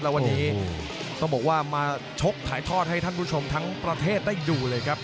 แล้ววันนี้ต้องบอกว่ามาชกถ่ายทอดให้ท่านผู้ชมทั้งประเทศได้ดูเลยครับ